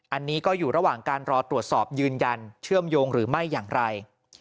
อันนี้ก็อยู่ระหว่างการรอตรวจสอบยืนยันเชื่อมโยงหรือไม่อย่างไร